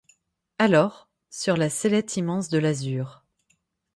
Alors, sur la sellette immense de l’azur